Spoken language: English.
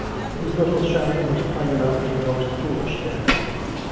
His little sermon was plain enough for the most foolish there.